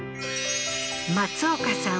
松岡さん